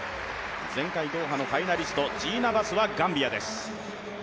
前回ドーハのファイナリスト、ジーナ・バス、ガンビアです。